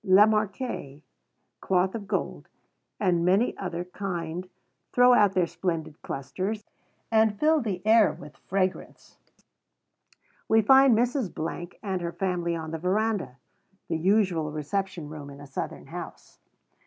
La Marque, cloth of gold, and many another kind, throw out their splendid clusters, and fill the air with fragrance. We find Mrs. and her family on the veranda, the usual reception room in a Southern house.